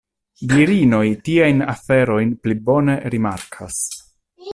Virinoj tiajn aferojn pli bone rimarkas.